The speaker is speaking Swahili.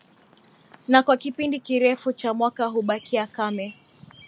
na kwa kipindi kirefu cha mwaka hubakia kame